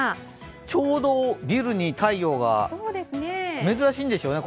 ちょうど、ビルに太陽が珍しいんでしょうね